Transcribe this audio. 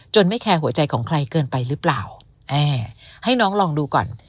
ไม่แคร์หัวใจของใครเกินไปหรือเปล่าเออให้น้องลองดูก่อน